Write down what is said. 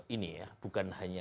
ini ya bukan hanya